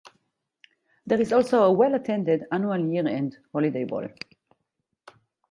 There is also a well attended annual year end holiday ball.